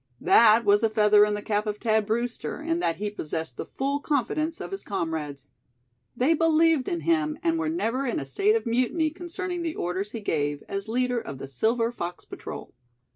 That was a feather in the cap of Thad Brewster, in that he possessed the full confidence of his comrades. They believed in him, and were never in a state of mutiny concerning the orders he gave, as leader of the Silver Fox Patrol.